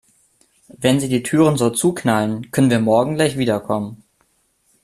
Wenn Sie die Türen so zuknallen, können wir morgen gleich wiederkommen.